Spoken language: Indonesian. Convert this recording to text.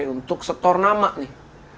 untuk setor nama nih